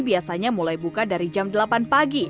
biasanya mulai buka dari jam delapan pagi